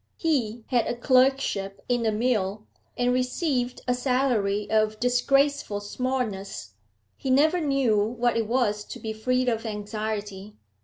He had a clerkship in a mill, and received a salary of disgraceful smallness; he never knew what it was to be free of anxiety.